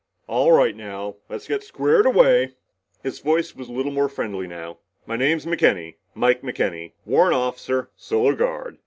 "All right now! Let's get squared away!" His voice was a little more friendly now. "My name's McKenny Mike McKenny. Warrant Officer Solar Guard.